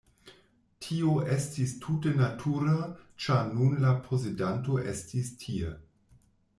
Tio estis tute natura, ĉar nun la posedanto estis tie.